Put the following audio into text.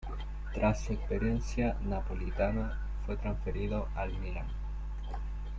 Tras su experiencia napolitana fue transferido al Milan.